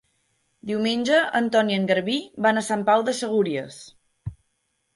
Diumenge en Ton i en Garbí van a Sant Pau de Segúries.